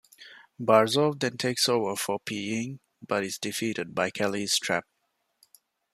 Barzov then takes over for Pi Ying, but is defeated by Kelly's trap.